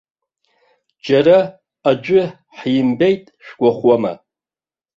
Џьара аӡәы ҳимбеит шәгәахәуама?